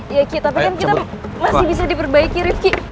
iya kita tapi kan kita masih bisa diperbaiki rifqi